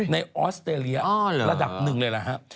ออสเตรเลียระดับหนึ่งเลยล่ะฮะ